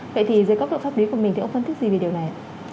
vậy thì dưới cấp độ pháp lý của mình thì ông phân tích gì về điều này